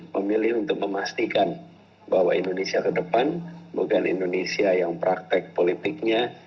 memilih untuk memastikan bahwa indonesia ke depan bukan indonesia yang praktek politiknya